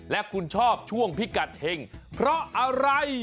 และคุณชอบช่วงพิกัดเห็งเพราะอะไร